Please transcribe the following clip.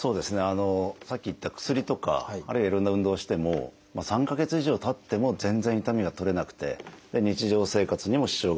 さっき言った薬とかあるいはいろんな運動をしても３か月以上たっても全然痛みが取れなくて日常生活にも支障がある。